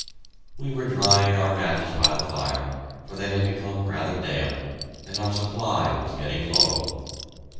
We were drying our matches by the fire, for they had become rather damp, and our supply was getting low.